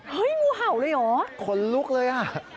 เฮ้ยงูเห่าเลยเหรอคนลุกเลย